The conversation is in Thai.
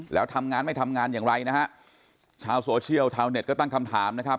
แล้วทำงานไม่ทำงานอย่างไรนะฮะชาวโซเชียลชาวเน็ตก็ตั้งคำถามนะครับ